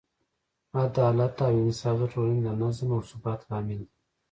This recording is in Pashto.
عدالت او انصاف د ټولنې د نظم او ثبات لامل دی.